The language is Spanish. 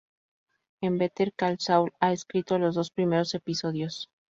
En "Better Call Saul", ha escrito los dos primeros episodios.